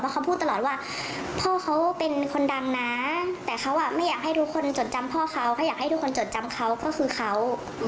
คุณเธอเทียบแล้วได้แจ้งความไหมค่ะ